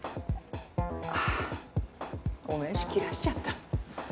あっお名刺切らしちゃった。